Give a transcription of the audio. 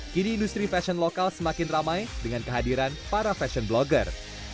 kini industri fashion lokal semakin ramai dengan kehadiran para fashion blogger